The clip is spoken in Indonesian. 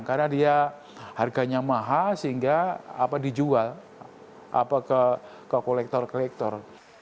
karena dia harganya mahal sehingga dijual ke kolektor kolektor